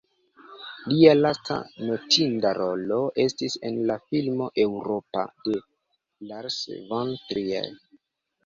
Lia lasta notinda rolo estis en la filmo "Eŭropa" de Lars von Trier.